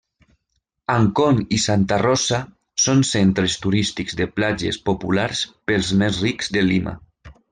Ancón i Santa Rosa són centres turístics de platges populars pels més rics de Lima.